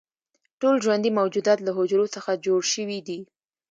ټول ژوندي موجودات له حجرو څخه جوړ شوي دي